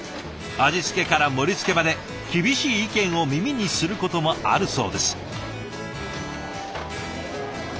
味付けから盛りつけまで厳しい意見を耳にすることもあるそうです。